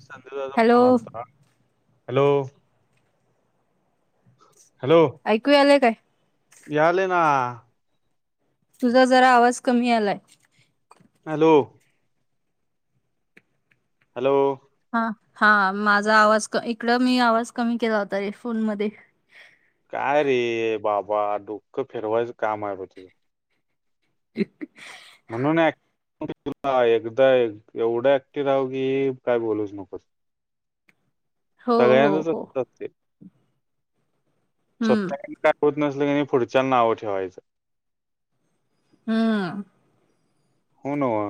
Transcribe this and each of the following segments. संधीचा hello phone आता hello. Hello. ऐकू आलेय काय? याले ना. तुझा जरा आवाज कमी आलाय. हॅलो. हॅलो. हा हा माझा आवाज इकड मी आवाज कमी केला होता रे फोन मध्ये काय रे बाबा डुःख फेरवायचं काम आहे बा तुझं? एक. म्हणून ऍ तु एकदा एवढं ऍक्टिव राहव की काय बोलूच नकोस. हो हो सगळ्यांनाच हो असत अस ते हम्म स्वत का? होत नसलं क पुढच्यां नावं ठेवायचं. हम्. होवा.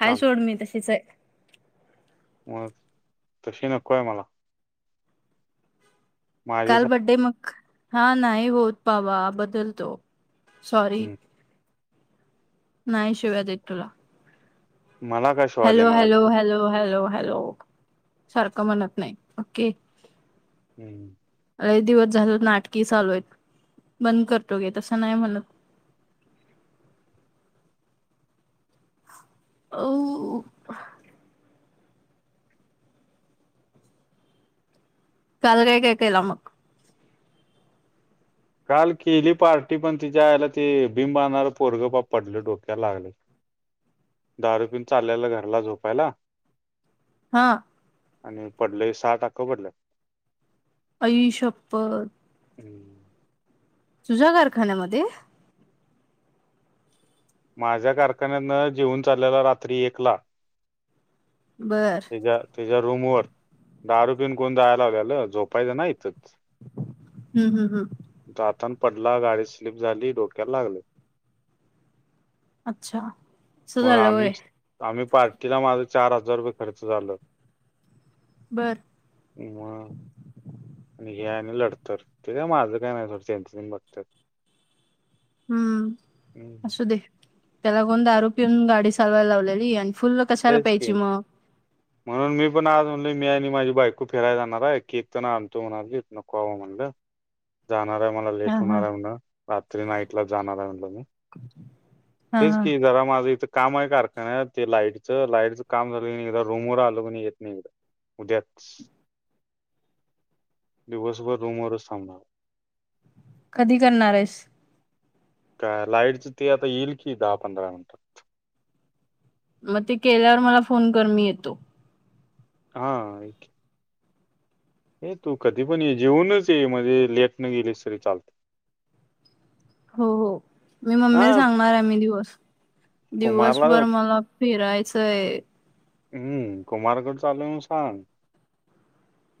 हाय सोड मी तशीच आहे. मग तशी नकोय मला. काल माझ्यासाठी बड्डे मग हा नाही होत पावा बदलतो सॉरी हम्म. नाही शिव्यात तुला मला कसे? Hello hello hello hello hello सारखं म्हणत नाही ओके. हम्म. अ एक दिवस झाल नाटकी चालू आहेत बंद करतो गे तसं नाही म्हणत. [unintelligible] काल काय काकला मग काल केली पार्टी पण तिच्या आयला ते भिमबणार पोरगं बा पडले डोक्याला लागले [inaudible] दारू पिन चाललेला घरला झोपायला हा आणि पडलं सात अक्क भरलंय अईश्यपप हम्म तुजा कारखान्यामध्ये माझ्या कारखान्यानं जेऊन चाललेला रात्री एकला बरं तच्या्या रूम वर दारू पिन कोण जायला लालेलं झोपायचं नाही इथच हम्म हम् हम्म दातान पडला गाडी स्लीप झाली डोक्याला लागले अच्छा. असं मग झालं आम्ही व्हय. आम्ही पार्टीला माझा चार हजार रुपये खर्च झालं बरं म आणि हे आणि लढत ते का माझं काही नाही ोडंं बघतात हम्म असू दे त्याला कोन दारू पीऊन गाडी चालवायला लावलेली आणि फुल तेच क म्हणून मी पण आज म्हणल मी आणि माझी बायको फिरायला जाणार आहे की इथण आणतो म्हणा नकोवं म्हणलं जाणार आहे मला हा लेट हा. होणार आहे म्हणट रात्री नाईट ला जाणार आहे म्हटलं मी हा तेच हा. कि जरा माझं इथं काम आहे कारखाना ते लाईट लाईटच काम झालं की नाही एक रूम वर आलो क नाही येत नाही एकदा उद्या दिवसभर रुम र सामना कधी करणार आहेस का लाईटच ते आता येईल की दहा पंधरा मिनिटात मग ते केल्यावर मला फोन कर मी येतो हा ऐ तू कधी पण ये जेऊनच ये म्हंजे लेटनं गेलीस तरी चालते. हो हो मी मम्मी हा सांगणार आहे मी दिवस कुमारला दिवसभर मला फिरायचंय. हम्म कुमारगड चालूय म सांग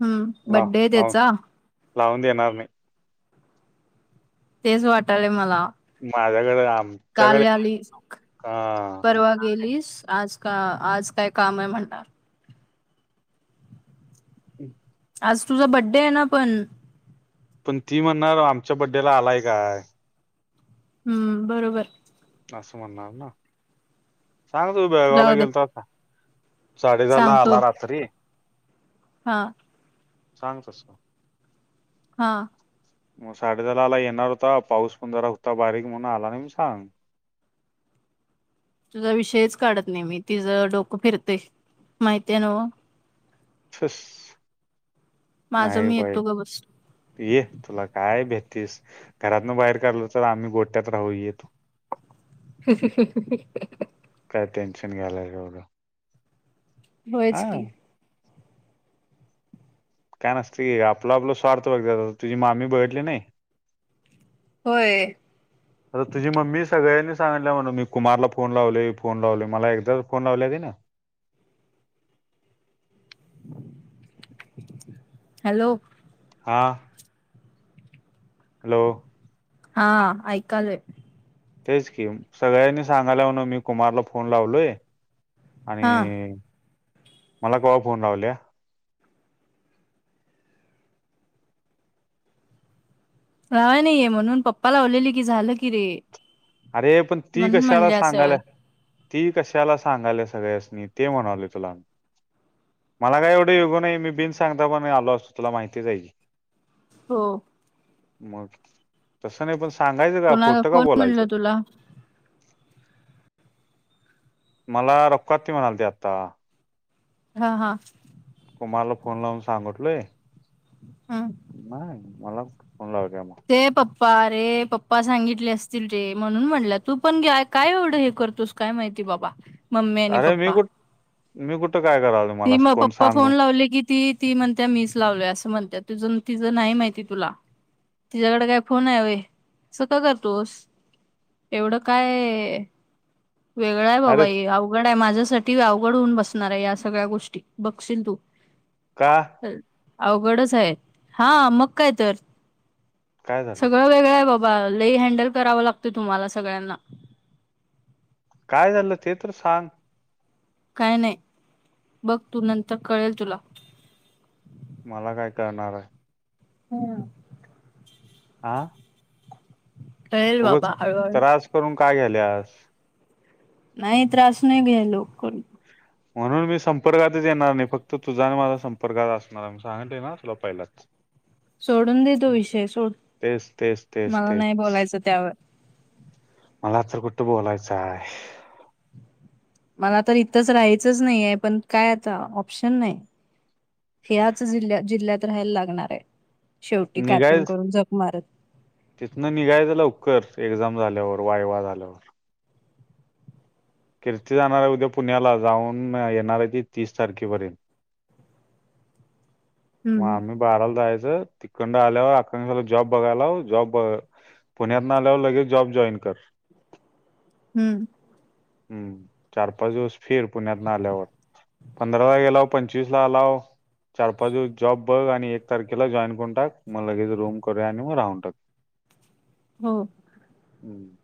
हम्म बड्डे त्याचा लावं येणारमे तेच वाटालेय मला माझ्याकडें आम काल रात्रीस परवा गेलीस आज का आज काय काम आहे म्हणणार. [unintelligible] आज तुझा बड्डे आहे ना पण, पण ती म्हणणार आमच्या बड्डेला आलाय काय, हम्म बरोबर असं म्हणणार ना सांग तु बेळगावला जाऊ दे गेलताव साडे दहा ला सांगतो आला रात्री हा सांग तसं. हा मग साडेेदहाला येणार होता पाऊस पण जरा होता बारीक म्हणून आला नाही म्हणून सांग. तुझा विषयच काढत नाही मी तिझं डोकं फिरतंय माहिती आहे नव्हं. ठूस माझं नाही मी बाई [unintelligible] येतो ग बस तू ये तिला काय भेहतीस घरातनं बाहेर काढल तर आम्ही गोट्यात राहू ये तू. [unintelligible] ह्म ह्म [unintelligible] काय टेन्शन घालाय एवढं. [unintelligible] हा होयचं की [unintelligible] काय नसतय घे गं आपलं आपला स्वार्थ बघतात तुझी मामी बघितली नाही. [unintelligible] होय [unintelligible] आता तुझी मम्मी सगळ्यांसनी सांगितल्या म्हणं मी कुमारला फोन लावलोय फोन लावलोय मला एकदा तर फोन लावलीया तिनं हॅलो [unintelligible] हा [unintelligible] हॅलो [unintelligible] हा ऐकालोय. तेच की सगळ्यांसनी सांगायलीया म्हणं मी कुमारला फोन लावलोय. [unintelligible] आणि हा मला कव्हा फोन लावलीया. [unintelligible] लावाय नाही घे म्हणून पप्पा लावलेली की झालं की रे. [unintelligible] अरे पण ती म्हणून कशाला म्हणले असेल सांगायलीया [unintelligible] ती कशाला सांगाय लागली या सगळ्यासनी ते म्हणालोय तुला. [unintelligible] मला काय एवढं येगू नाही मी बिन सांगता पण आलो असतो तुला माहिती आहे की [unintelligible] हो [unintelligible] मग तसं नाही पण सांगायचं का कोणाला खोट का कोण बोलायचं. म्हणलं [unintelligible] तुला मला रूकका आती म्हणालती आता. [unintelligible] हा हा [unintelligible] कुमारला फोन लावून सांगटलोय. [unintelligible] ह्म [unintelligible] नाही मला ख फोन लावलीया मग [unintelligible] ते पप्पा रे पप्पा सांगितले असतील रे म्हणून म्हटलं तू पण काय एवढं हे करतोस काय माहिती बाबा [unintelligible] अरे मी पप्पा कुठ मी कुठं काय कराल [unintelligible] ती म पप्पा फोन सांगू लावली की [unintelligible] ती ती म्हणते मीच लावलोय असं म्हणत तुझ तिझं नाही माहिती तुला [unintelligible] तिच्या्याकडे काय फोन आहे व अस का करतोस [unintelligible] एवढं काय [unintelligible] वेगळं आहे बाबा अरे हे अवघड आहे माझ्यासाठी अवघड होऊन बसणार आहे हे असं [unintelligible] सगळ्या गोष्टी बघशिल तू [unintelligible] का. [unintelligible] अवघडच आहे हा मग काय तर [unintelligible] काय झालं सगळं वेगळं आहे बाबा लई हँडल करावं लागतंय तुम्हाला सगळ्यांना [unintelligible] काय झालं ते तर सांग. [unintelligible] काय नाही बघ तू नंतर कळेल तुला, [unintelligible] मला काय करणार आहे [unintelligible] हम् [unintelligible] आह [unintelligible] कळेल उगच बाबा हळूहळू त्रास करून काय घ्याल्या [unintelligible] नाही त्रास नाही घे लोक कोण [unintelligible] म्हणून मी संपर्कातच येणार नाही फक्त तुझा आणि माझा संपर्कात असणार मी सांगते ना तुला पहिला [unintelligible] सोडून देतो विषय सोड तेच तेच तेच मला तेच नाही बोलायचं त्यावर [unintelligible] मला तर कुठं बोलायचं आहे [unintelligible] मला तर इथंच राहायचंच नाही आहे पण काय आता ऑप्शन नाही [unintelligible] ह्याच जिल जिल्ह्यात राहायला लागणार आहे शेवटी काय पण निघायच करून जग मारत तिथनं निघायचं उवकर एक्झाम झाल्यावर वाय वा झाल्यावर [unintelligible] कीर्ती जाणार आहे उद्या पुण्याला जाऊन येणार आहे ती तीस तारखेपर्यंत. मग हम्म आम्ही बाराला जायचं तिखंड आल्यावर आखला जॉब बघायला लाव जॉब बघ. पुण्यात नाल्यावर लगेच जॉब जॉईन कर. हम्म. हम्म चार पाच दिवस फिर पुण्यात न आल्यावर. पंधरा ला गेला पंचवीस ला आलाव चार पाच दिवस. जॉब बघ आणि एक तारखेला जॉईन करून टाक मग लगेच रूम कर आणि मग राहून टाक. हो. हम.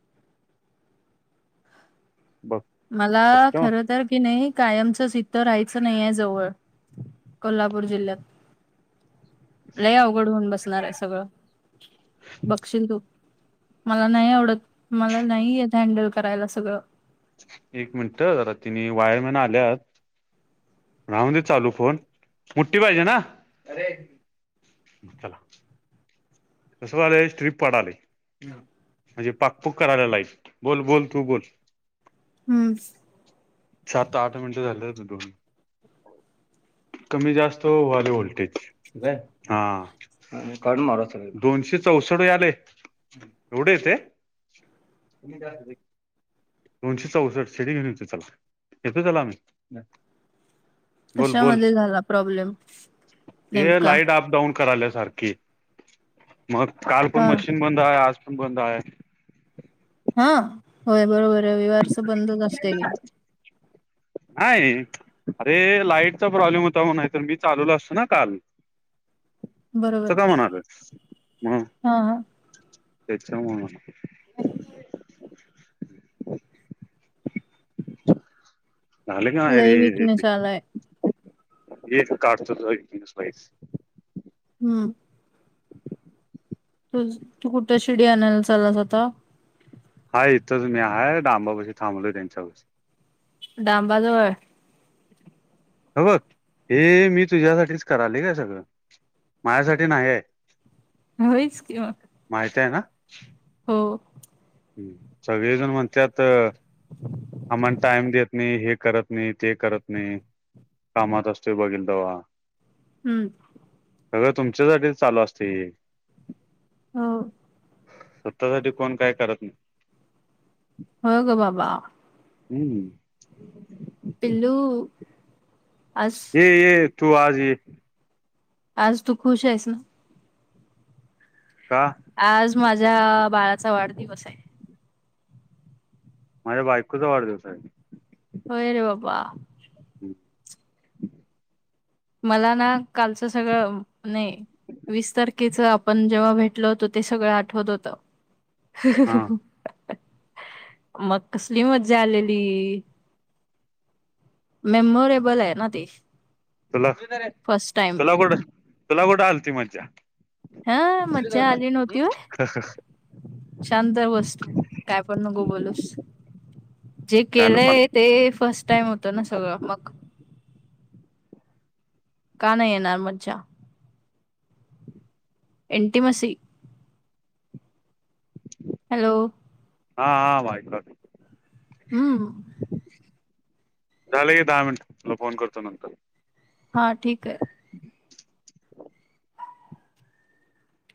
बघ मला सपना खर तर. कि नाही कायमचच इथं राहायचं नाही आहे जवळ कोल्हापूर जिल्ह्यात. लय अवघड होऊन बसणार आहे सगळं बघशील तू. मला नाही आवडत मला नाही येत हँडल करायला सगळं. एक मिनिट तिने वायरमॅन आल्यात. राहून दे चालू फोन. चला. कसं वालं स्ट्रीप पडाले म्हणजे पाक पूक करायला लाईट बोल बोल तू बोल. हम्म. सात आठ मिनिटं झाले त दोन. कमी जास्त वले व्होल्टेज हा. आणि काढून मारा सरळ दोनशे चौसठ आले एवढे तेय. तुमही जास्त ब दोनशे चौसष्ट सेट घेन चल यथे चला आम्ही. बोल बोल कशामध्ये झाला प्रॉब्लेम. हे नेमका लाईट अप डाऊन कराल सारखी. मग काल पण हा मशीन बंद आहे आज पण बंद आहे. हा होय बरोबर आहे विवारच बंदच असते ग. काय हे. अरे लाईटचा प्रॉब्लेम होता मग नाहीतर मी चालवला असतो ना काल. असं बरोबर का म्हणाल म हा हा. त्याच्या मूळ. झाले का नाही लय रे ये विकनेस आलाय इथं तुझा एक काढच तस बाहेर. हम्म. तु तू कुठे शिडी आणनला चालास आता. हा इथं मी आहेय डांबा बशी थांबलो त्यांच्या बस. डांबाजवल हाय. ह बघ हे मी तुझ्यासाठीच कराल काय सगळं. माझ्यासाठी नाहीय. होयच किं मग. माहित आहे ना. हो. हम् सगळेजण म्हणत्यात. आम्हाला टाइम देत नाही हे करत नाही ते करत नाही. कामात असतेय बघेल तेवा. हम्म. सगळ तुमच्यासाठीच चालू असते. हो. स्वतः साठी कोण काय करत नाही. हो गो बाबा. हम्म. पिल्लू अस. ये ये तू आज ये आज तू खुश आहेस ना का आज माझ्या बाळाचा वाढदिवस आहे माझ्य बायकोचा वाढदिवस आहे होय रे बाबा हम् मला ना कालचं सगळं नाही वीस तारखेच आपण जेव्हा भेटल होतो ते सगळं आठवत होतं हा मग कसली मज्जा आलेली मेमोरेबल आहे ना तेी चला चला कोठ चुला कोठं आलती मज्जा हा मज्जा आली नव्हती व शांत बस तू काय पण नको बोलूस जे झालं पण केलंय ते फर्स्ट टाईम होत ना सगळं मग का नाही येणार मजजा एनटिमस हॅलो हा हां वाटबघतो हम् झालंय दहा मिनट मला फोन करतो नंतर हा ठीक आहे